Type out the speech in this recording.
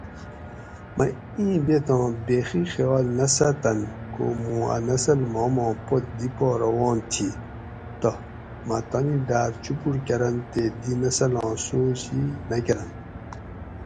مہ اِین بیتاں بیخی خیال نہ ساتنت کو مُون اۤ نسل ماما پت دی پا روان تھی تہ ما تانی ڈاۤر چُپوٹ کرنت تے دی نسلان سوچ ئ نہ کرنت